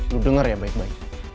lu denger ya baik baik